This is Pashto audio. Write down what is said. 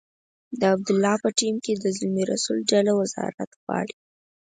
د عبدالله په ټیم کې د زلمي رسول ډله وزارت غواړي.